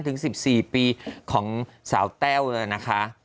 ถึง๑๔ปีของสาวแต้วเลยนะคะ